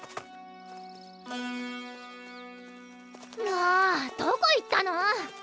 もうどこ行ったの！？